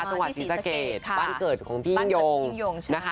จังหวัดศรีสะเกดบ้านเกิดของพี่ยิ่งยงนะคะ